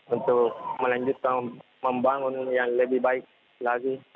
untuk melanjutkan membangun yang lebih baik lagi